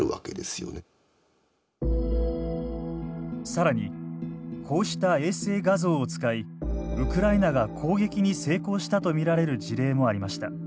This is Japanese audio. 更にこうした衛星画像を使いウクライナが攻撃に成功したと見られる事例もありました。